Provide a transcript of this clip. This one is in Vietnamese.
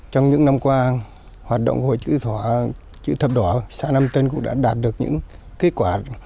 trong những năm qua hoạt động hội chữ thỏa chữ thập đỏ xã nam tân cũng đã đạt được những kết quả